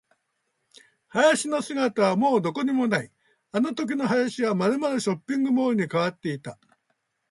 林の姿はもうどこにもない。あのときの林はまるまるショッピングモールに変わっていた。